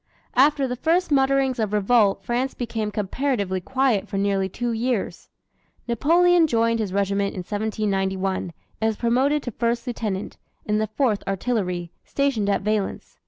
After the first mutterings of revolt France became comparatively quiet for nearly two years. Napoleon joined his regiment in 1791, and was promoted to first lieutenant, in the Fourth Artillery, stationed at Valence.